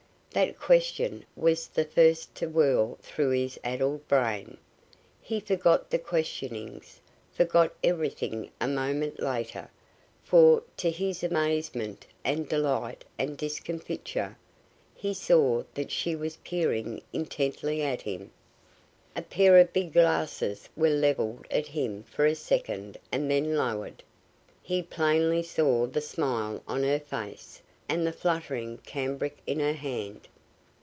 That question was the first to whirl through his addled brain. He forgot the questionings, forgot everything a moment later, for, to his amazement and delight and discomfiture, he saw that she was peering intently at him. A pair of big glasses was leveled at him for a second and then lowered. He plainly saw the smile on her face, and the fluttering cambric in her hand.